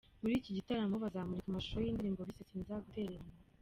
Muri iki gitaramo bazamurika amashusho y'indirimbo bise 'Sinzagutererana'.